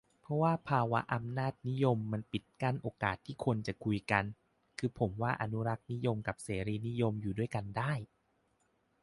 เพราะว่าภาวะอำนาจนิยมมันปิดกั้นโอกาสที่คนจะคุยกัน คือผมว่าอนุรักษนิยมกับเสรีนิยมอยู่ด้วยกันได้